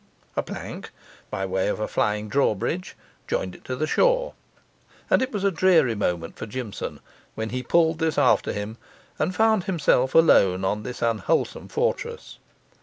A plank, by way of flying drawbridge, joined it to the shore. And it was a dreary moment for Jimson when he pulled this after him and found himself alone on this unwholesome fortress.